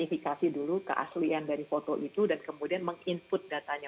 verifikasi dulu keaslian dari foto itu dan kemudian meng input datanya